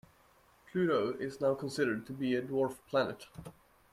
Pluto is now considered to be a dwarf planet